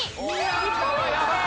２ポイントです。